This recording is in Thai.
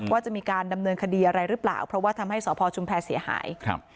ว่าจะมีการดำเนินคดีอะไรหรือเปล่าเพราะว่าทำให้สพชุมแพรเสียหายครับ